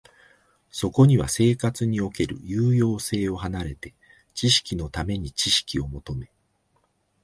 そこには生活における有用性を離れて、知識のために知識を求め、